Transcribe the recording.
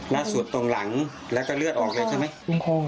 สวดตรงหลังแล้วก็เลือดออกเลยใช่ไหม